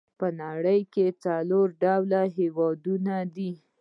په نړۍ کې څلور ډوله هېوادونه دي.